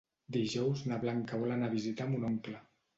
Dijous na Blanca vol anar a visitar mon oncle.